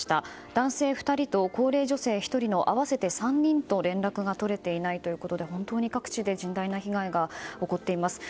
男性２人と高齢女性１人の合わせて３人と連絡が取れていないということで各地で甚大な被害が起こっています。